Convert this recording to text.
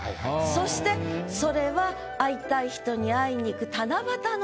そしてそれは会いたい人に会いに行く。